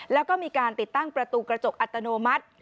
แล้วก็มีการติดตั้งประตูกระจกอัตโนมัติ